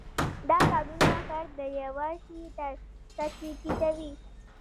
دا کارونه فرد د یوه شي تر کچې ټیټوي.